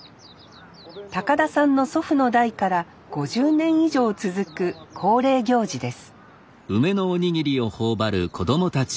田さんの祖父の代から５０年以上続く恒例行事です